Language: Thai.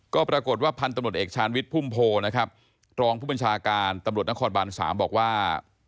ก็ปรากฏว่าพันธ์ตำรวจเอกชาญวิชภุมโพครพกนน๓บอกว่า